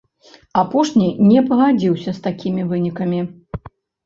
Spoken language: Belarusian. Апошні не пагадзіўся з такімі вынікамі.